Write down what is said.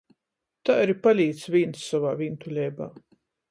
Tai ari palīc vīns sovā vīntuleibā.